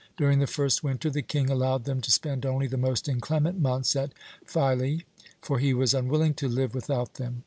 During the first winter the King allowed them to spend only the most inclement months at Philæ, for he was unwilling to live without them.